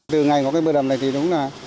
từ ngày có cái bờ đầm này thì đúng là